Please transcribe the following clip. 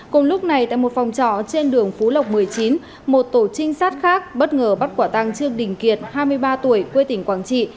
cùng lúc này tại một phòng trọ trên đường phú lộc một mươi chín một tổ trinh sát khác bất ngờ bắt quả tăng trương đình kiệt hai mươi ba tuổi quê tỉnh quảng trị